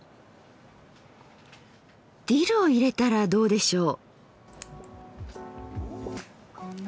ディルを入れたらどうでしょう？